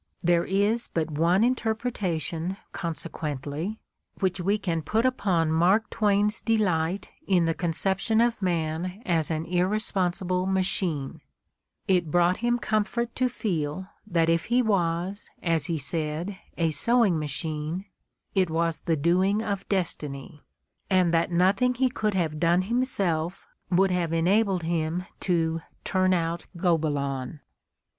There is but one interpretation, conse quently, which we can put upon Mark Twain's delight in the conception of man as an irresponsible machine: it brought him comfort to feel that if he was, as he said, a "sewing machine," it was the doing of destiny, and that nothing he could have done himself would have enabled him to "turn out Gobelins."